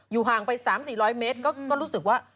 ห่างไป๓๔๐๐เมตรก็รู้สึกว่า